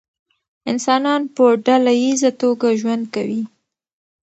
انسانان په ډله ایزه توګه ژوند کوي.